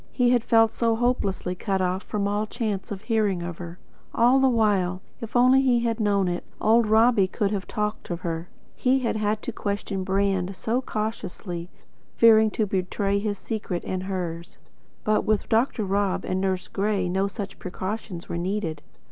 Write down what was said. He had felt so hopelessly cut off from all chance of hearing of her. And all the while, if only he had known it, old Robbie could have talked of her. He had had to question Brand so cautiously, fearing to betray his secret and hers; but with Dr. Rob and Nurse Gray no such precautions were needed.